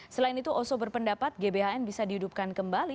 selain itu oso berpendapat gbhn bisa dihidupkan kembali